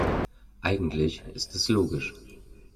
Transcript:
Eigentlich ist es logisch.